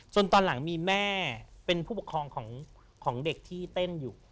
ตอนหลังมีแม่เป็นผู้ปกครองของเด็กที่เต้นอยู่